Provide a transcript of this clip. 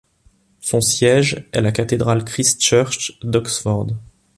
Son siège est la cathédrale Christ Church d'Oxford.